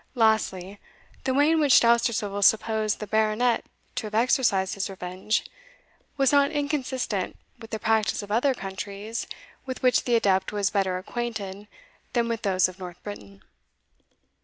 Lastly, the way in which Dousterswivel supposed the Baronet to have exercised his revenge, was not inconsistent with the practice of other countries with which the adept was better acquainted than with those of North Britain.